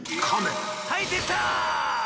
はいでた！